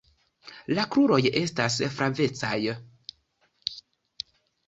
La kruroj estas flavecaj.